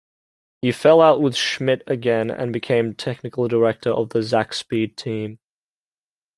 He fell out with Schmid again and became Technical Director of the Zakspeed team.